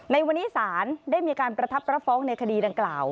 ในวันนี้ศาลได้มีการประทับรับฟ้องในคดีดังกล่าว